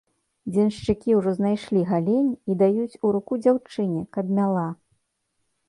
Дзеншчыкі ўжо знайшлі галень і даюць у руку дзяўчыне, каб мяла.